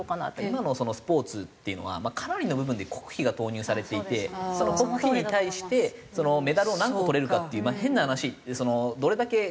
今のスポーツっていうのはかなりの部分で国費が投入されていてその国費に対してメダルを何個とれるかっていう変な話どれだけ。